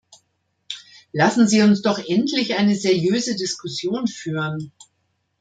Lassen Sie uns doch endlich eine seriöse Diskussion führen.